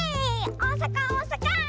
おおさかおおさか！